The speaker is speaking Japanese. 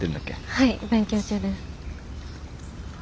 はい勉強中です。